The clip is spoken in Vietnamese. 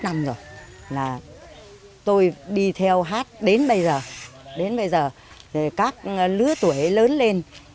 hai mươi một năm rồi là tôi đi theo hát đến bây giờ đến bây giờ các lứa tuổi lớn lên